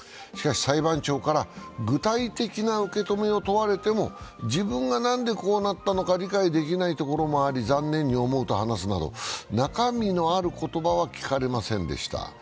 しかし裁判長から、具体的な受け止めを問われても自分がなんでこうなったのか理解できないところもあり残念に思うと話すなど中身のある言葉は聞かれませんでした。